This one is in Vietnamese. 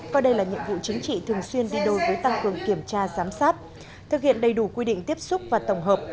coi đây là nhiệm vụ chính trị thường xuyên đi đôi với tăng cường kiểm tra giám sát thực hiện đầy đủ quy định tiếp xúc và tổng hợp